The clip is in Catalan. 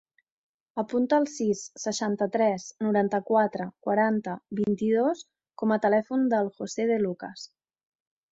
Apunta el sis, seixanta-tres, noranta-quatre, quaranta, vint-i-dos com a telèfon del José De Lucas.